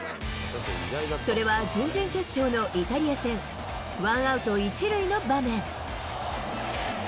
それは準々決勝のイタリア戦、ワンアウト１塁の場面。